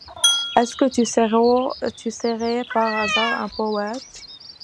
Est-ce que tu serais par hasard un poète ?